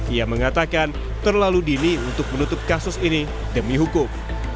ia mengatakan terlalu dini untuk menutup kasus ini demi hukum